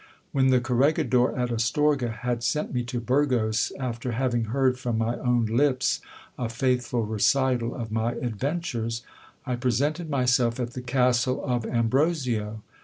When the corregidor at Astorga had sent me to Burgos, after having heard from my own lips a faithful recital of my adventures, I presented myself at the castle of Ambrosio.